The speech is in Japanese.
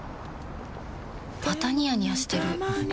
またニヤニヤしてるふふ。